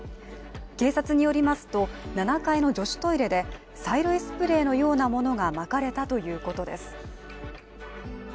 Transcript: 警察によりますと、７階の女子トイレで催涙スプレーのようなものがまかれたということです。